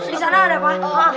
disana ada apa